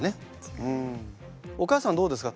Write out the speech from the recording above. お母さんどうですか？